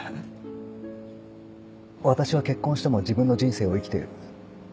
「私は結婚しても自分の人生を生きている。